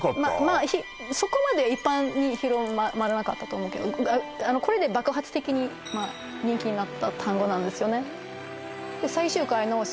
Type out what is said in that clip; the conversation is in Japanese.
まあそこまで一般に広まらなかったと思うけどこれで爆発的に人気になった単語なんですよね